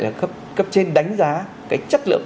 là cấp trên đánh giá cái chất lượng